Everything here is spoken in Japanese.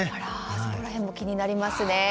そこら辺も気になりますね。